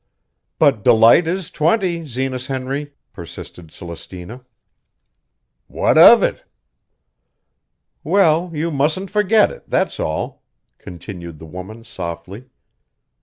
"But Delight is twenty, Zenas Henry," persisted Celestina. "What of it?" "Well, you mustn't forget it, that's all," continued the woman softly.